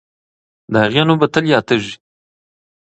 د هغې نوم به تل یادېږي.